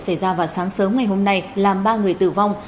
xảy ra vào sáng sớm ngày hôm nay làm ba người tử vong